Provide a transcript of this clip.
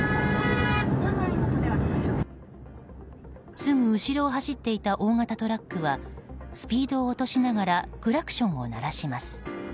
すぐ後ろを走っていた大型トラックはスピードを落としながらクラクションを鳴らします。